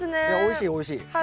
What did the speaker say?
いやおいしいおいしい。